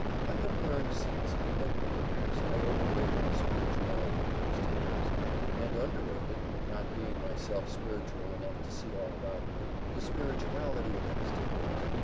I have learned since, that perhaps I overrated the spirituality of those times, and underrated, not being myself spiritual enough to see all about me, the spirituality of these times.